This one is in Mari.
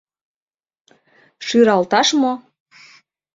Шӱралташ мо?